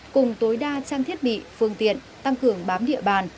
cùng tối đa trang thiết bị phương tiện tăng cường bám địa bàn